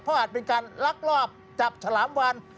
เพราะอาจเป็นการลักลอบจับฉลามวาน